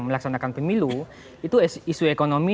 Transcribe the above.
melaksanakan pemilu itu isu ekonomi